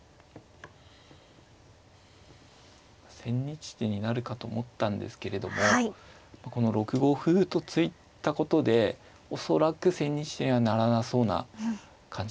千日手になるかと思ったんですけれどもこの６五歩と突いたことで恐らく千日手にはならなそうな感じですね。